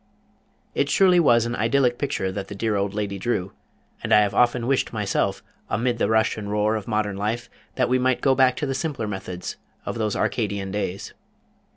It surely was an idyllic picture that the dear old lady drew, and I have often wished myself amid the rush and roar of modern life, that we might go back to the simpler methods of those Arcadian days.